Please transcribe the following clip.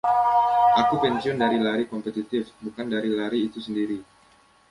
Aku penisun dari lari kompetitif, bukan dari lari itu sendiri.